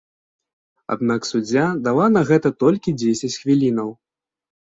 Аднак суддзя дала на гэта толькі дзесяць хвілінаў.